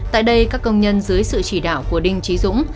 tại đây các công nhân dưới sự chỉ đạo của đinh trí dũng